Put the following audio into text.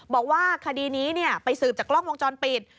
บอกว่าคดีนี้ไปสืบจากกล้องวงจรปิด